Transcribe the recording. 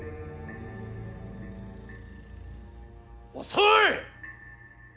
遅い！